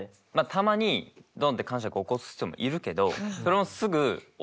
たまにドンってかんしゃくを起こす人もいるけどそれもすぐ抑えられちゃうんです。